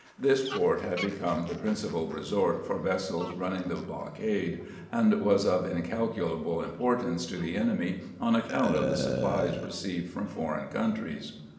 This port had become the prin cipal resort for vessels running the blockade, and was of incalculable importance to the enemy on account of the supplies received from foreign countries.